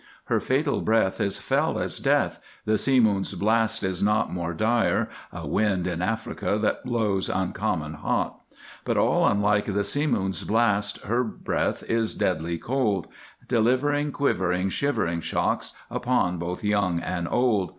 Her fatal breath is fell as death! The simoon's blast is not More dire (a wind in Africa That blows uncommon hot). But all unlike the simoon's blast, Her breath is deadly cold, Delivering quivering, shivering shocks Upon both young and old.